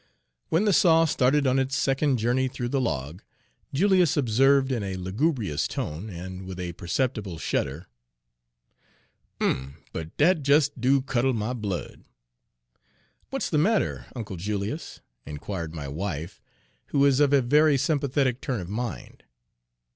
When the saw Page 40 started on its second journey through the log, Julius observed, in a lugubrious tone, and with a perceptible shudder: "Ugh! but dat des do cuddle my blood!" "What 's the matter, Uncle Julius?" inquired my wife, who is of a very sympathetic turn of mind.